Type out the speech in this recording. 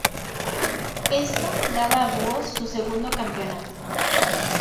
Esto daba a Búhos su segundo campeonato.